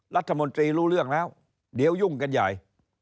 รัฐมนตรีรู้เรื่องแล้วเดี๋ยวยุ่งกันใหญ่